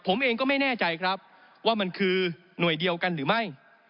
ผมเองก็ไม่แน่ใจครับว่ามันคือหน่วยเดียวกันหรือไม่